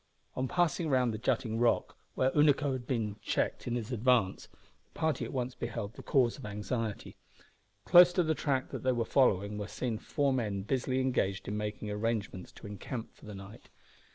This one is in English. On passing round the jutting rock, where Unaco had been checked in his advance, the party at once beheld the cause of anxiety. Close to the track they were following were seen four men busily engaged in making arrangements to encamp for the night.